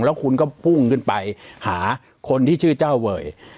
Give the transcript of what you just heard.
แล้วคุณก็พุ่งขึ้นไปหาคนที่ชื่อเจ้าเวย